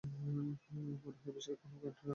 মনে হয় বিশাল কোনো কন্টেইনার, স্যার।